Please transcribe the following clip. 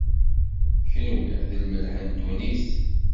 kenwi, d lmelḥ n ddunit.